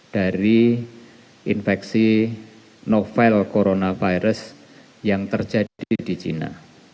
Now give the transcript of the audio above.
dari infeksi novel coronavirus yang terjadi di cina